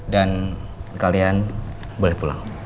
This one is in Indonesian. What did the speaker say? dan kalian boleh pulang